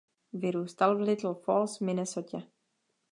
Vyrůstal v Little Falls v Minnesotě.